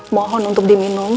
mohon untuk diminum